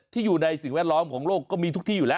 อยู่ในสิ่งแวดล้อมของโลกก็มีทุกที่อยู่แล้ว